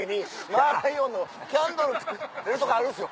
「マーライオンのキャンドル作れるとこあるんですよ」。